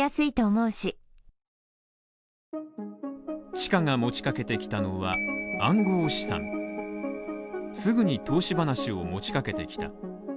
ちかが持ちかけてきたのは、暗号資産すぐに投資話を持ちかけてきた。